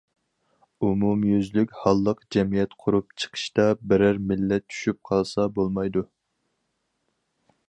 ئومۇميۈزلۈك ھاللىق جەمئىيەت قۇرۇپ چىقىشتا، بىرەر مىللەت چۈشۈپ قالسا بولمايدۇ.